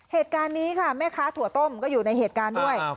เหตุการณ์นี้ค่ะแม่ค้าถั่วต้มก็อยู่ในเหตุการณ์ด้วย